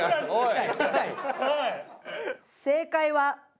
正解は。